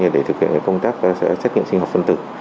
để thực hiện công tác xét nghiệm sinh học phân tử